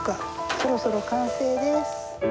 そろそろ完成です。